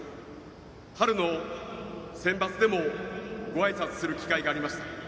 春のセンバツでもごあいさつする機会がありました。